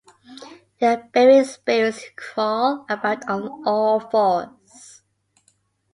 There are baby spirits who crawl about on all fours.